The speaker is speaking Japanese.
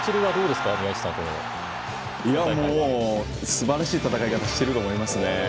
すばらしい戦い方をしていると思います。